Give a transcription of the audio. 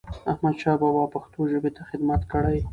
احمدشاه بابا پښتو ژبې ته خدمت کړی.